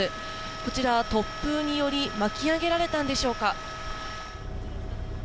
こちら、突風により巻き上げられたんでしょうか。